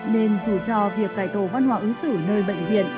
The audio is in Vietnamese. nên dù cho việc cải tổ văn hóa ứng xử nơi bệnh viện